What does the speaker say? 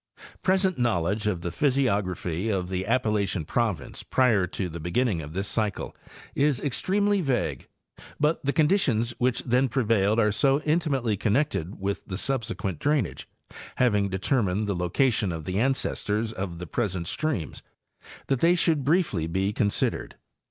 Present knowledée of the physiography of the Appalachian province prior to the beginning of this cycle is extremely vague ; but the conditions which then prevailed are so intimately con nected with the subsequent drainage, having determined the location of the ancestors of the present streams, that they should briefly be considered.